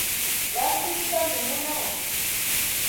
Rantiytam munaya.